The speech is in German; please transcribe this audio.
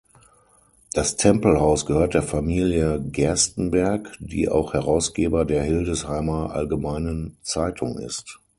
Das Tempelhaus gehört der Familie Gerstenberg, die auch Herausgeber der Hildesheimer Allgemeinen Zeitung ist.